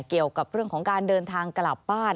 เกี่ยวกับเรื่องของการเดินทางกลับบ้าน